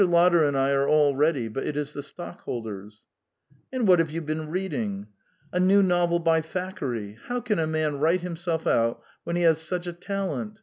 Lotter and 1 are all ready, but it is the stock holders." " And what have yon been reading?" ''A new novel by Thackeray. How can a man write himself out so when he has such a talent !